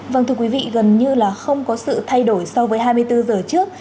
vâng thưa quý vị gần như là không có sự thay đổi so với hai mươi bốn giờ trước